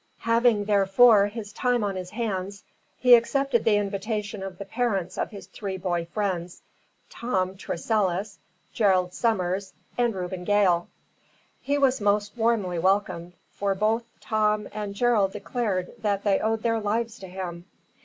Having, therefore, his time on his hands, he accepted the invitation of the parents of his three boy friends, Tom Tressilis, Gerald Summers, and Reuben Gail. He was most warmly welcomed, for both Tom and Gerald declared that they owed their lives to him.